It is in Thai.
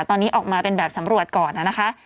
ตอนนี้ออกมาเป็นแบบสำรวจก่อนนะคะ